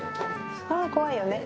あぁ怖いよね。